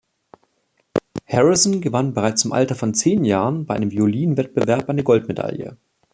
Harrison gewann bereits im Alter von zehn Jahren bei einem Violinwettbewerb eine Goldmedaille.